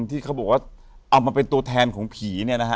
ที่เขาบอกว่าเอามาเป็นตัวแทนของผีเนี่ยนะฮะ